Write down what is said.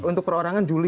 untuk perorangan juli